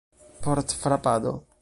Pordfrapado